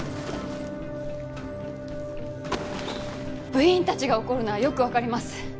部員たちが怒るのはよくわかります。